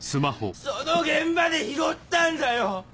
その現場で拾ったんだよ！